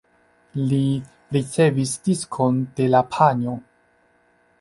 Li ricevis diskon de la panjo.